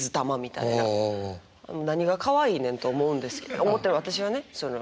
何がかわいいねんと思うんですけど思ってる私はね。